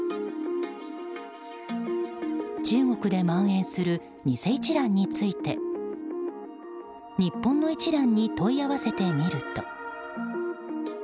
中国でまん延する偽一蘭について日本の一蘭に問い合わせてみると。